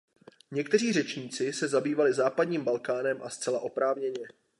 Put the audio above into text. Někteří řečníci se zabývali západním Balkánem, a zcela oprávněně.